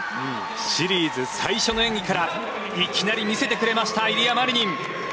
シリーズ最初の演技からいきなり見せてくれましたイリア・マリニン。